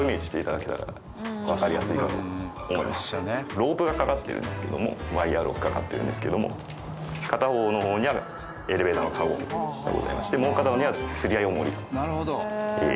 ロープが掛かってるんですけどもワイヤロープ掛かってるんですけども片方の方にはエレベーターのカゴがございましてもう片方には釣合おもり繋がっております。